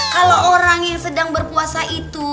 kalau orang yang sedang berpuasa itu